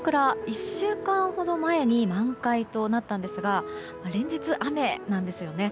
１週間ほど前に満開となったんですが連日雨なんですよね。